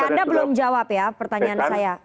bang mel tiada belum jawab ya pertanyaan saya